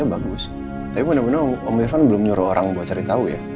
ya bagus tapi bener bener om mirvan belum nyuruh orang buat cari tau ya